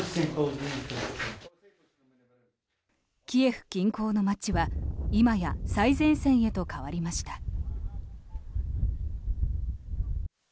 キエフ近郊の街は今や最前線へと変わりました。